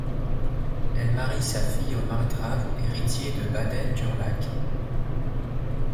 Elle marie sa fille au margrave héritier de Baden-Durlach.